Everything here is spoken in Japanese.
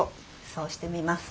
そうしてみます。